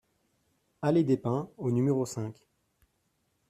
Allées des Pins au numéro cinq